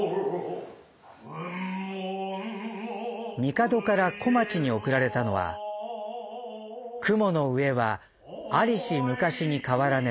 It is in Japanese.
帝から小町に送られたのは「雲の上はありし昔に変らね